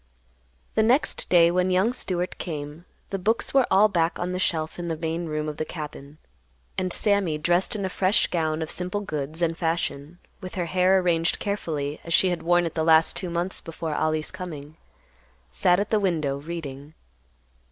The next day when young Stewart came, the books were all back on the shelf in the main room of the cabin, and Sammy, dressed in a fresh gown of simple goods and fashion, with her hair arranged carefully, as she had worn it the last two months before Ollie's coming, sat at the window reading.